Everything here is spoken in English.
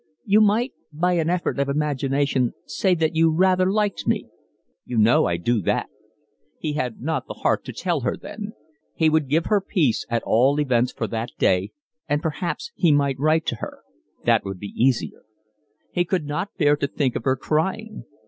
"You might by an effort of imagination say that you rather liked me." "You know I do that." He had not the heart to tell her then. He would give her peace at all events for that day, and perhaps he might write to her. That would be easier. He could not bear to think of her crying.